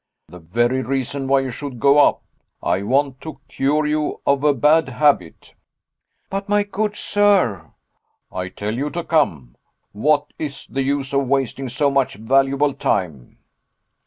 "The very reason why you should go up. I want to cure you of a bad habit." "But, my good sir " "I tell you to come. What is the use of wasting so much valuable time?"